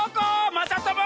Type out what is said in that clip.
まさとも！